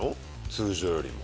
通常よりも。